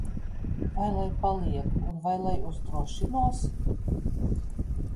Vai lai palieku un vai lai uzdrošinos?